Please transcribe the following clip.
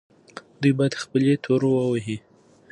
دوی باید خپلې تورو ووهي.